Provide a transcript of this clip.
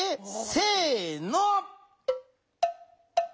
せの。